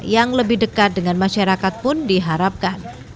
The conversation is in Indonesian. yang lebih dekat dengan masyarakat pun diharapkan